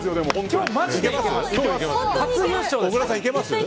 今日はマジでいけます！